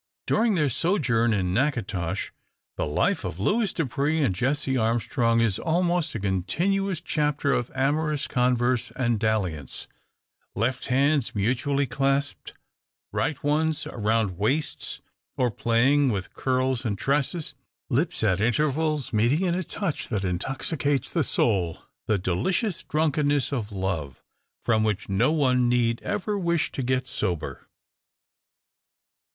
Daring their sojourn in Natchitoches the life of Louis Dupre and Jessie Armstrong is almost a continuous chapter of amorous converse and dalliance; left hands mutually clasped, right ones around waists, or playing with curls and tresses; lips at intervals meeting in a touch that intoxicates the soul the delicious drunkenness of love, from which no one need ever wish to get sober.